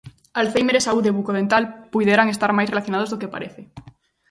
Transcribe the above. Alzhéimer e saúde bucodental puideran estar máis relacionados do que parece.